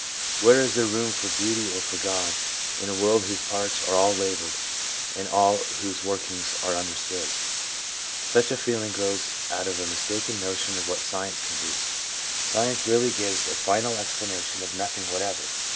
Where is there room for Beauty, or for God, in a world whose parts are all labelled, and all of whose workings are understood ? Such a feeling grows out of a mistaken notion of what science can do. Science really gives a final explanation of nothing whatever.